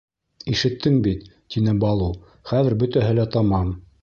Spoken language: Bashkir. — Ишеттең бит, — тине Балу, — хәҙер бөтәһе лә тамам.